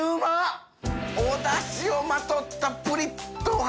おダシをまとったプリッとお肌。